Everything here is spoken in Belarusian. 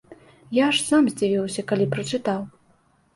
Я аж сам здзівіўся, калі прачытаў.